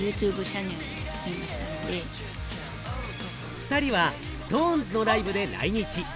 ２人はＳｉｘＴＯＮＥＳのライブで来日。